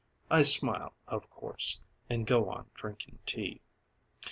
I smile, of course, And go on drinking tea.